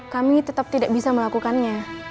kami tetap tidak bisa melakukannya